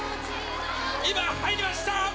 今、走りました。